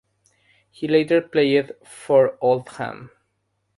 He later played for Oldham.